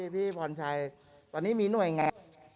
พี่พ่อนชัยตอนนี้มีหน่วยแง่